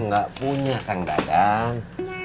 gak punya kang dadang